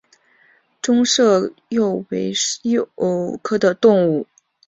中麝鼩为鼩鼱科麝鼩属的动物。